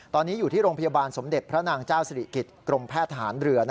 ตอนนี้อยู่ที่โรงพยาบาลสมเด็จพระนางเจ้าสิริกิจกรมแพทย์ทหารเรือ